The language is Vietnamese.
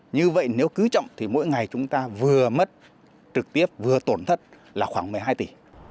như vậy nếu cứ chậm thì mỗi ngày chúng ta vừa mất trực tiếp vừa tổn thất là khoảng một mươi hai tỷ